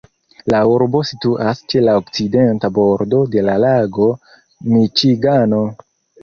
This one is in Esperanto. La urbo situas ĉe la okcidenta bordo de la lago Miĉigano.